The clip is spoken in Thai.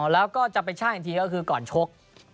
แล้วก็จะไปแช่งอีกทีก็คือก่อนชก